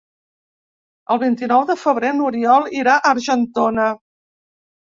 El vint-i-nou de febrer n'Oriol irà a Argentona.